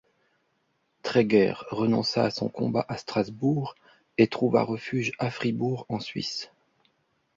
Treger renonça à son combat à Strasbourg et trouva refuge à Fribourg en Suisse.